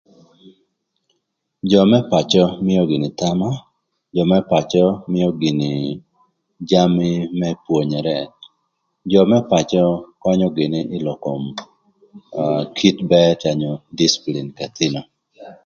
Jö më pacö mïö gïnï thama jö më pacö mïö gïnï jamï më pwonyere jö më pacö könyö gïnï ï lok kom kit bër onyo dicpilin k'ëthïnö.